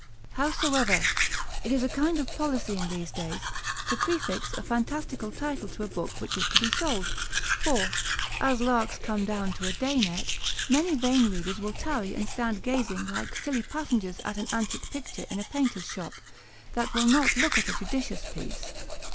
Howsoever, it is a kind of policy in these days, to prefix a fantastical title to a book which is to be sold; for, as larks come down to a day net, many vain readers will tarry and stand gazing like silly passengers at an antic picture in a painter's shop, that will not look at a judicious piece.